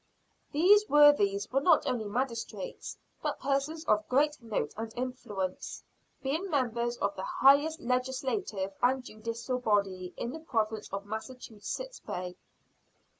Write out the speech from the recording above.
These worthies were not only magistrates, but persons of great note and influence, being members of the highest legislative and judicial body in the Province of Massachusetts Bay.